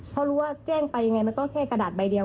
เขารู้ว่าแจ้งไปยังไงมันก็แค่กระดาษใบเดียว